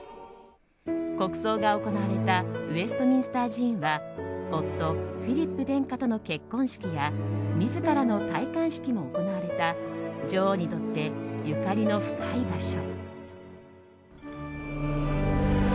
国葬が行われたウェストミンスター寺院は夫フィリップ殿下との結婚式や自らの戴冠式も行われた女王にとって、ゆかりの深い場所。